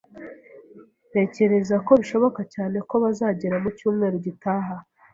Ntekereza ko bishoboka cyane ko bazagera mu cyumweru gitaha.